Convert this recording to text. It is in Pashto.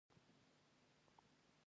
کاناډا یو موډل دی.